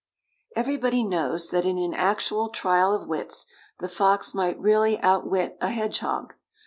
Everybody knows that in an actual trial of wits the fox might really outwit a hedgehog.